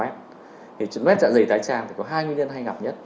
thì nguyên nhân dạ dày thái tràn thì có hai nguyên nhân hay gặp nhất